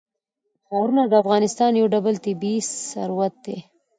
ښارونه د افغانستان یو ډول طبعي ثروت دی.